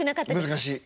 難しい。